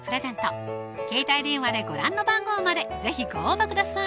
携帯電話でご覧の番号まで是非ご応募ください